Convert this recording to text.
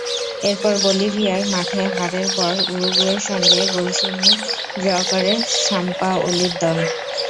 এরপর বলিভিয়ার মাঠে হারের পর উরুগুয়ের সঙ্গে গোলশূন্য ড্র করে সাম্পাওলির দল।